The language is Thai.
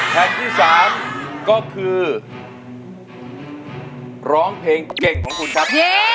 แผ่นที่๓ก็คือร้องเพลงเก่งของคุณครับ